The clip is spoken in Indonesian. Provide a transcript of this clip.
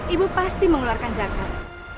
ibu pasti mengeluarkan zakat